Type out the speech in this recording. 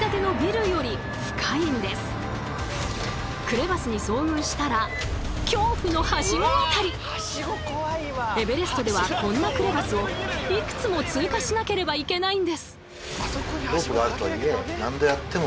クレバスに遭遇したらエベレストではこんなクレバスをいくつも通過しなければいけないんです！